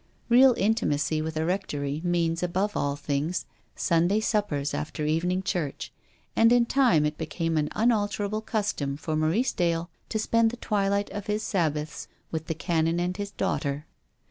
Real intimacy with a Rectory means, above all things, Sunday suppers after evening church, and, in time, it became an unalterable custom for Maurice Dale to spend the twilight of his Sab baths with the Canon and his daughter.